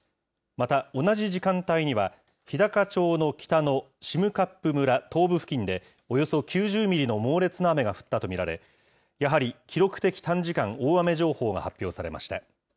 また同じ時間帯には、日高町の北の占冠村東部付近で、およそ９０ミリの猛烈な雨が降ったと見られ、やはり記録的短時間大雨情報が発表されました。